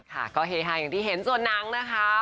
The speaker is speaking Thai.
ค่ะก็เฮฮาอย่างที่เห็นส่วนหนังนะคะ